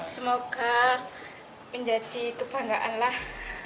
semoga menjadi kebanggaan lah